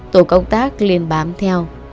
tổ công tác liên bám theo